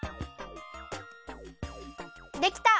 できた！